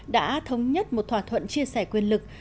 đã thống nhất một thỏa thuận chia sẻ quyền lực